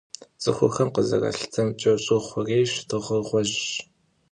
Цӏыхухэм къызэралъытэмкӏэ, Щӏыр - хъурейщ, Дыгъэр - гъуэжьщ.